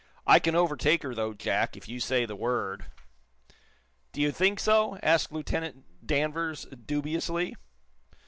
"I can overtake her, though, Jack, if you say the word." "Do you think so?" asked Lieutenant Danvers, dubiously.